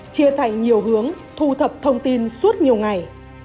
chia thành nhiều hướng thu thập thông tin suốt nhiều ngày